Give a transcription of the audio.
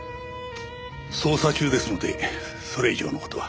捜査中ですのでそれ以上の事は。